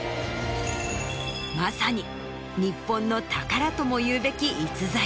まさに日本の宝ともいうべき逸材。